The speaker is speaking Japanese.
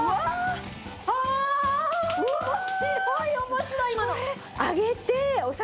ああ面白い面白い今の。